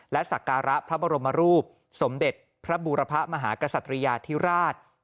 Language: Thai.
และสักการะพระบรมรูปสมเด็จพระบูรพะมหากษัตริยาธิราช